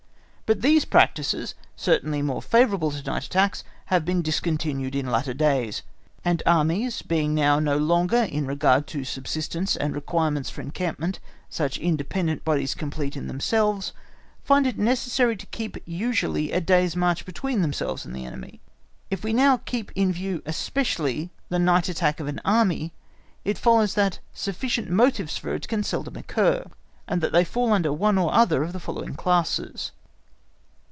But these practices, certainly more favourable to night attacks, have been discontinued in later days; and armies being now no longer in regard to subsistence and requirements for encampment, such independent bodies complete in themselves, find it necessary to keep usually a day's march between themselves and the enemy. If we now keep in view especially the night attack of an army, it follows that sufficient motives for it can seldom occur, and that they fall under one or other of the following classes.